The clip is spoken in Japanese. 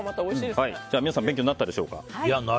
皆さん、勉強になったでしょうか。